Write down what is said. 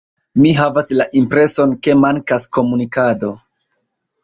Mi havas la impreson ke mankas komunikado.